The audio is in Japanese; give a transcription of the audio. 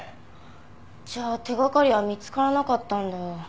じゃあ手掛かりは見つからなかったんだ。